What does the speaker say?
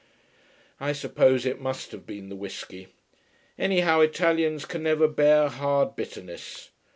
I suppose it must have been the whisky. Anyhow Italians can never bear hard bitterness.